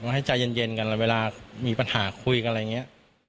ให้ใจเย็นกันแล้วเวลามีปัญหาคุยกันอะไรอย่างนี้